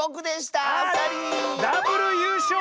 ダブルゆうしょう！